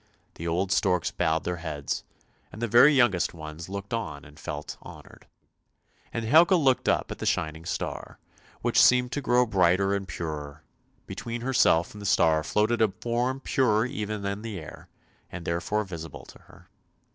The old storks bowed their heads, and the very youngest ones looked on and felt honoured. And Helga looked up at the shining star, which seemed to grow brighter and purer; between herself and the star floated a form purer even than the air, and therefore visible to her.